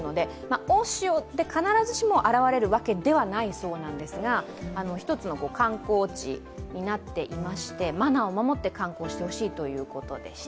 大潮で必ずしも現れるわけではないんですがひとつの観光地になっていましてマナーを守って観光してほしいということでした。